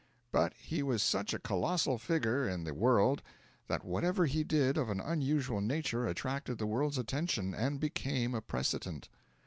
But he was such a colossal figure in the world that whatever he did of an unusual nature attracted the world's attention, and became a precedent.